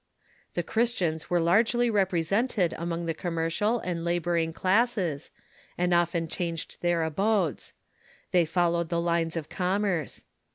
The Christians were largely represent ed among the commercial and laboring classes, and often changed their abodes. They followed the lines of commerce.